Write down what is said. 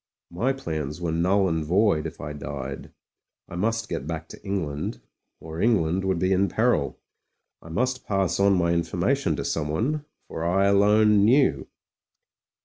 My plans were null and void if I died; I must get back to England — or Eng land would be in peril. I must pass on my informa tion to someone — for I alone knew.